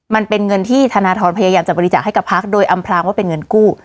มันเป็นเงินที่ธนทรพยายามจะบริจาคให้กับพักโดยอำพลางว่าเป็นเงินกู้